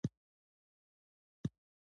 جنګ یې تمام کړ.